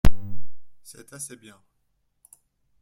C’est assez bien.